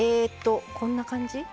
こんな感じ？